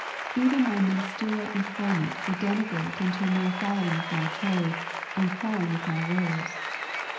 Even my ministerial em ployment would degenerate into a mere following of my trade, ana ciring of my wares.